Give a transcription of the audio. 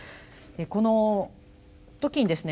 この時にですね